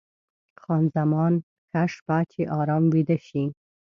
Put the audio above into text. خان زمان: ښه شپه، چې ارام ویده شې.